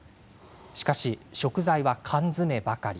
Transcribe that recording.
しかし食材は缶詰ばかり。